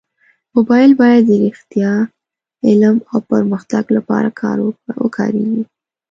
موبایل باید د رښتیا، علم او پرمختګ لپاره وکارېږي.